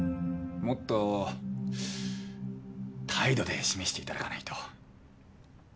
もっと態度で示していただかないと。